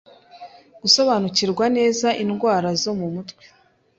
gusobanukirwa neza indwara zo mu mutwe. *